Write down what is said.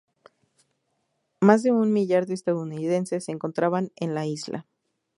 Más de un millar de estadounidenses se encontraban en la isla.